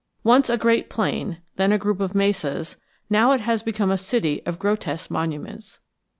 Once a great plain, then a group of mesas, now it has become a city of grotesque monuments.